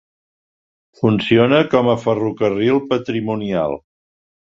Funciona com a ferrocarril patrimonial.